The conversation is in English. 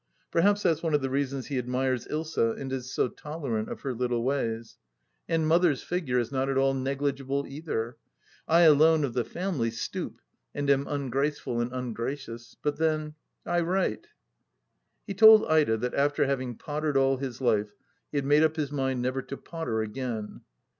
Perhaps that's one of the reasons he admires Ilsa and is so tolerant of her little ways ? And Mother's figure is not at all negligible either 1 I, alone, of the family, stoop, and am ungraceful and ungracious. But then — I write 1 He told Ida that after having pottered all his life he had made up his mind never to potter again.